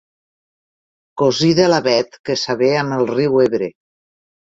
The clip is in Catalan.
Cosí de l'avet que s'avé amb el riu Ebre.